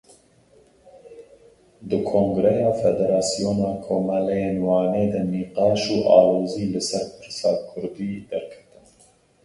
Di Kongreya Federasyona Komeleyên Wanê de nîqaş û alozî li ser Pirsa kurdî derketin.